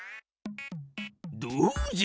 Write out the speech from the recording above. どうじゃ？